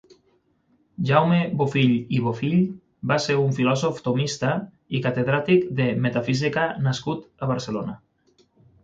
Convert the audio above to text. Jaume Bofill i Bofill va ser un filòsof tomista i catedràtic de metafísica nascut a Barcelona.